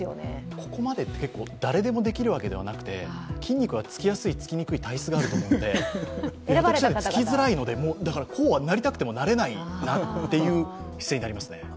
ここまでって誰でもできるわけではなくて筋肉はつきやすい、つきにくい体質があると思うので私はつきづらいので、こうはなりたくてもなれないなって姿勢になりますね。